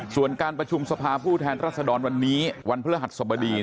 ส่วนการประชุมสภาผู้แทนรัศดรวันนี้วันพฤหัสสบดี